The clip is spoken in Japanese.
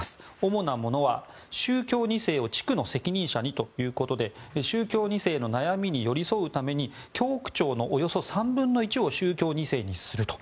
大きなものは宗教２世を地区の責任者にということで宗教２世の悩みに寄り添うために教区長のおよそ３分の１を宗教２世にすると。